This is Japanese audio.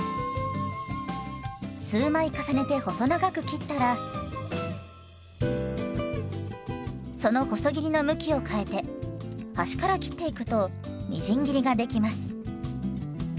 数枚重ねて細長く切ったらその細切りの向きを変えて端から切っていくとみじん切りができます。